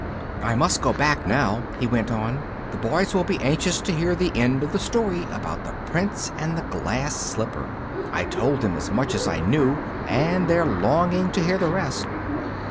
"I must go back now," he went on, "the boys will be anxious to hear the end of the story about the Prince and the Glass Slipper. I told them as much as I knew, and they're longing to hear the rest."